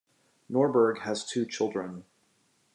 Norberg has two children.